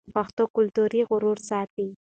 پښتو کلتوري غرور ساتي.